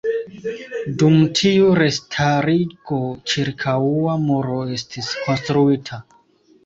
Dum tiu restarigo ĉirkaŭa muro estis konstruita.